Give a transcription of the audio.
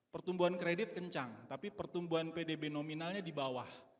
pertumbuhan kredit kencang tapi pertumbuhan pdb nominalnya di bawah